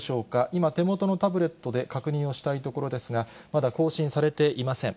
今、手元のタブレットで確認をしたいところですが、まだ更新されていません。